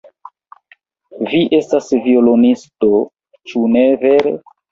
Vi estas violonisto, ĉu ne vere?